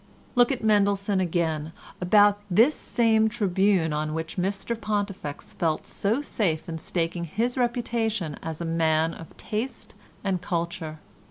Look at Mendelssohn again about this same Tribune on which Mr Pontifex felt so safe in staking his reputation as a man of taste and culture.